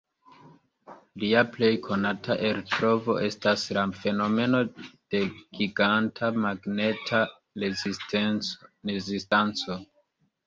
Lia plej konata eltrovo estas la fenomeno de Giganta Magneta Rezistanco.